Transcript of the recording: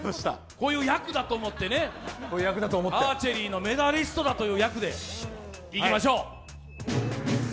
こういう役だと思ってね、アーチェリーのメダリストだという役でいきましょう。